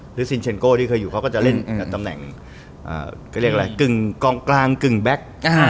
หรือซินเชนโก้ที่เคยอยู่เขาก็จะเล่นตำแหน่งกลางกลางกึ่งแบ็ค